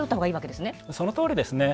そのとおりですね。